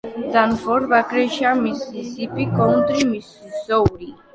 Danforth va créixer a Mississippi County, Missouri.